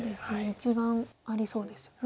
１眼ありそうですよね。